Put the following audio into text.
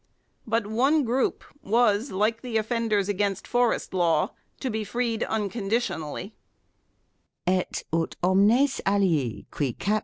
But one group was, like the offenders against forest law, to be freed unconditionally :" Et ut omnes alii qui cap.